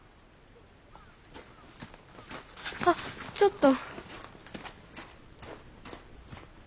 あっちょっと。